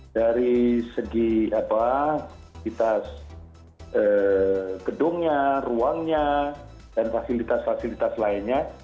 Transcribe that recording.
dari segi fasilitas gedungnya ruangnya dan fasilitas fasilitas lainnya